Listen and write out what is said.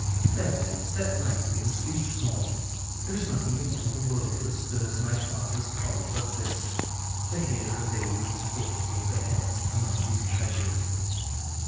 Therefore step lightly and speak small : there is nothing in all the world that stirs my father's choler but this — to hear a vagrant foot overhead among his treasures.'